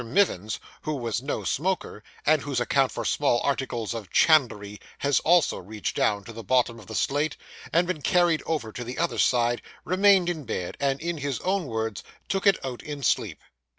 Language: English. Mivins, who was no smoker, and whose account for small articles of chandlery had also reached down to the bottom of the slate, and been 'carried over' to the other side, remained in bed, and, in his own words, 'took it out in sleep.